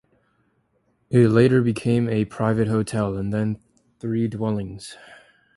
It later became a private hotel, and then three dwellings.